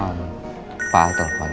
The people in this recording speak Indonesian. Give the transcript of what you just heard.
pak apa hal tuh